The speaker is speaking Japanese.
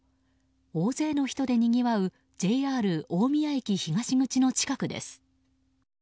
大勢の人でにぎわうＪＲ大宮駅東口の近くです。